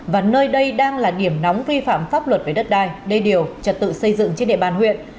và nơi đây đang là điểm nóng vi phạm pháp luật về đất đai đê điều trật tự xây dựng trên địa bàn huyện